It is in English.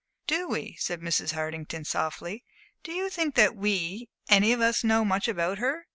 "Do we?" said Mrs. Hartington, softly. "Do you think that we, any of us, know much about her?